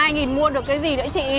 hai nghìn mua được cái gì nữa chị